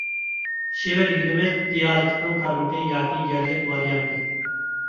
شېۋە دېگىنىمىز – دىئالېكتنىڭ تارمىقى ياكى يەرلىك ۋارىيانتى.